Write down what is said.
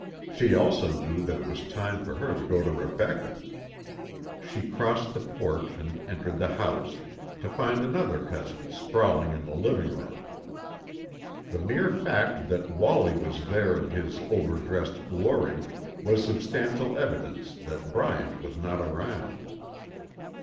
She also knew that it was time for her to go to Rebecca. She crossed the porch and entered the house, to find another cousin sprawling in the living room. The mere fact that Wallie was there in his overdressed glory was substantial evidence that Bryant was not around.